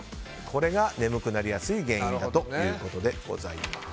これが眠くなりやすい原因だということです。